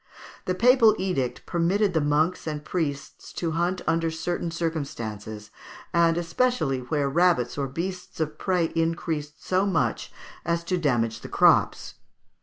The papal edict permitted the monks and priests to hunt under certain circumstances, and especially where rabbits or beasts of prey increased so much as to damage the crops.